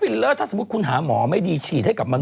ฟิลลเลอร์ถ้าสมมติของคุณหาหมอไม่ดีฉีดให้กับมนุษย์